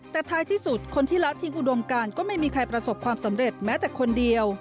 แต่ท้ายที่สุดคนที่ละทิ้งอุดมการก็ไม่มีใครประสบความสำเร็จแม้แต่คนเดียว